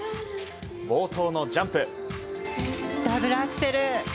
冒頭のジャンプ。